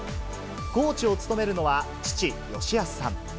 コーチを務めるのは、父、義康さん。